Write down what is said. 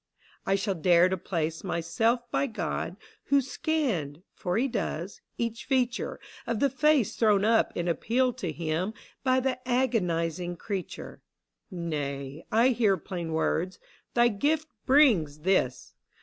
I shall dare to place myself by God Who scanned — for he does — each feature Of the face thrown ap in appeal to him By the agonising creature. Nay, I hear plain words :" Thy gift brings this